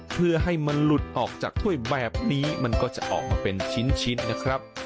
เพื่อให้มันหลุดออกจากถ้วยแบบนี้มันก็จะออกมาเป็นชิ้นนะครับ